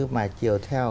mà chiều theo